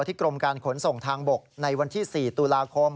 กรมการขนส่งทางบกในวันที่๔ตุลาคม